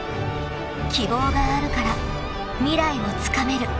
［希望があるから未来をつかめる］